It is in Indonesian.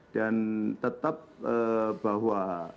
dan tetap bahwa